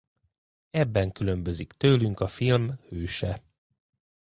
Ebben különbözik tőlünk a film hőse.